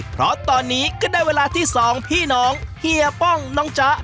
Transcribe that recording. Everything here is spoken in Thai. เพราะตอนนี้ก็ได้เวลาที่สองพี่น้องเฮียป้องน้องจ๊ะ